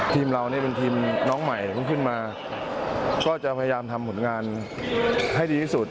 ทีมเรานี่เป็นทีมน้องใหม่เพิ่งขึ้นมาก็จะพยายามทำผลงานให้ดีที่สุด